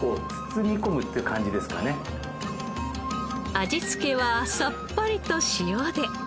味付けはさっぱりと塩で。